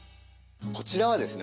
こちらはですね